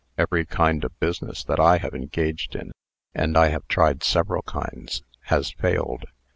Every kind of business that I have engaged in and I have tried several kinds has failed.